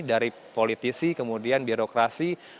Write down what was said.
dari politisi kemudian birokrasi